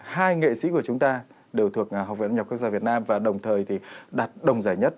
hai nghệ sĩ của chúng ta đều thuộc học viện âm nhạc quốc gia việt nam và đồng thời thì đặt đồng giải nhất